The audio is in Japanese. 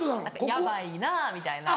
ヤバいなみたいな。